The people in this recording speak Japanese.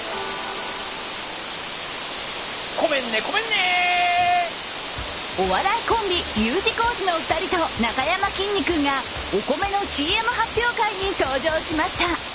目指すはお笑いコンビのＵ字工事の２人となかやまきんに君がお米のＣＭ発表会に登場しました。